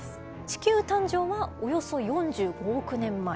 地球誕生はおよそ４５億年前。